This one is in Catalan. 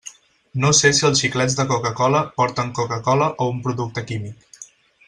No sé si els xiclets de Coca-cola porten Coca-cola o un producte químic.